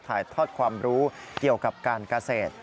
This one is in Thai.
ถ่ายทอดความรู้เกี่ยวกับการเกษตร